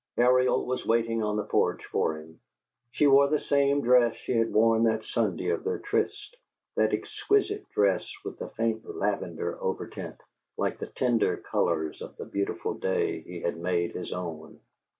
Ariel was waiting on the porch for him. She wore the same dress she had worn that Sunday of their tryst; that exquisite dress, with the faint lavender overtint, like the tender colors of the beautiful day he made his own.